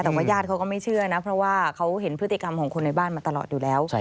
แต่ว่าญาติเขาก็ไม่เชื่อนะเพราะว่าเขาเห็นพฤติกรรมของคนในบ้านมาตลอดอยู่แล้ว